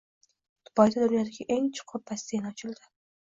Dubayda dunyodagi eng chuqur basseyn ochildi